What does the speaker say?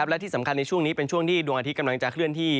และที่สำคัญในช่วงนี้เป็นช่วงที่ดวงอาทิตย์กำลังจะเคลื่อนที่